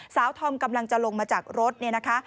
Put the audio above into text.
ธอมกำลังจะลงมาจากรถเนี่ยนะคะ